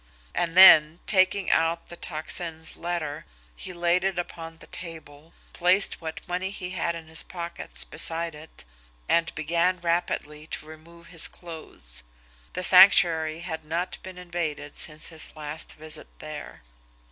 And then, taking out the Tocsin's letter, he laid it upon the table, placed what money he had in his pockets beside it, and began rapidly to remove his clothes. The Sanctuary had not been invaded since his last visit there.